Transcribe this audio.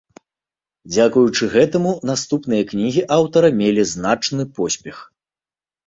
Дзякуючы гэтаму наступныя кнігі аўтара мелі значны поспех.